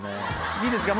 いいですか？